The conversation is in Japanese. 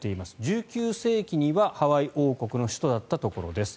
１９世紀にはハワイ王国の首都だったところです。